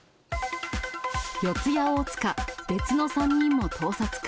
四谷大塚、別の３人も盗撮か。